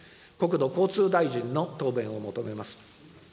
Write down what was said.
国土交通大臣の答弁を求めます。